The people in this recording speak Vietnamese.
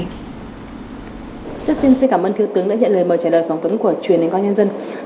trước tiên xin cảm ơn thiếu tướng đã nhận lời mời trả lời phỏng vấn của truyền hình công an nhân dân